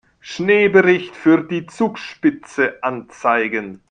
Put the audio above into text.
Schneebericht für die Zugspitze anzeigen.